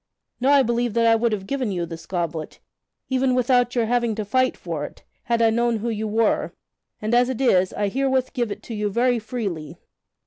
Now I believe that I would have given you this goblet, even without your having to fight for it, had I known who you were; and as it is I herewith give it to you very freely."